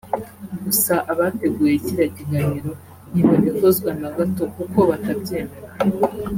gusa abateguye kiriya kiganiro ntibabikozwa na gato kuko batabyemera